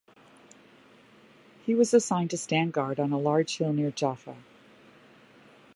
He was assigned to stand guard on a large hill near Jaffa.